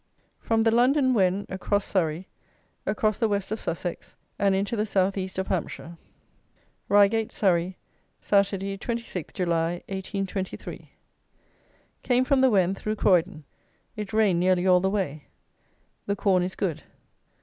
FROM THE (LONDON) WEN ACROSS SURREY, ACROSS THE WEST OF SUSSEX, AND INTO THE SOUTH EAST OF HAMPSHIRE. Reigate (Surrey), Saturday, 26 July, 1823. Came from the Wen, through Croydon. It rained nearly all the way. The corn is good.